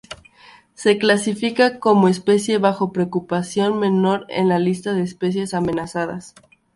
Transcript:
Se clasifica como especie bajo preocupación menor en la lista de especies amenazadas.